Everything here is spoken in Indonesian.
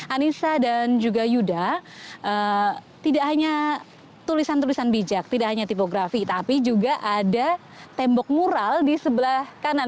anissa dan juga yuda tidak hanya tulisan tulisan bijak tidak hanya tipografi tapi juga ada tembok mural di sebelah kanan